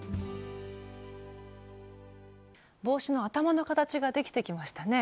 帽子の頭の形が出来てきましたね。